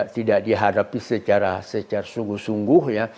tidak dihadapi secara sungguh sungguh ya